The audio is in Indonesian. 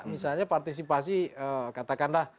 misalnya partisipasi katakanlah